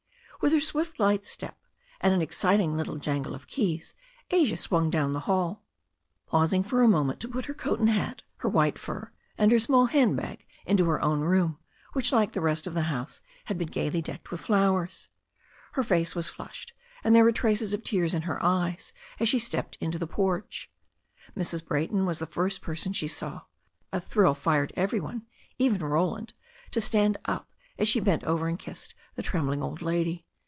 With her swift light step, and an exciting little jangle of keys, Asia swung down the hall, pausing ioi z. twatcv^TiX 252 THE STORY OF A NEW ZEALAND RIVER to put her coat and hat, her white fur, and her small hand bag into her own room, which like the rest of the house, had been gaily decked with flowers. Her face was flushed, and there were traces of tears in her eyes as she stepped into the porch. Mrs. Brayton was the first person she saw. A thrill fired every one, even Roland, to stand up, as she bent over and kissed the trembling old lady.